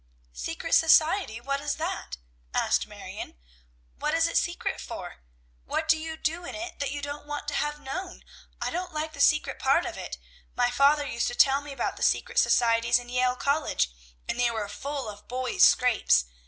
"Secret society! what is that?" asked Marion. "What is it secret for? What do you do in it that you don't want to have known? I don't like the secret part of it. My father used to tell me about the secret societies in Yale College, and they were full of boys' scrapes.